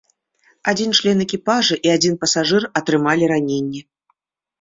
Адзін член экіпажа і адзін пасажыр атрымалі раненні.